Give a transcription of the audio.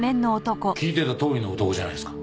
聞いてたとおりの男じゃないですか。